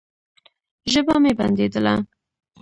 ژبه مې بنديدله.